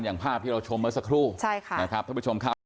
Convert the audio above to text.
อย่างภาพที่เราชมเมื่อสักครู่นะครับทุกผู้ชมครับ